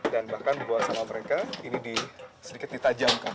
dan bahkan buat sama mereka ini sedikit ditajamkan